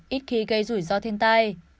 ít khi gây rủi ro thiên tai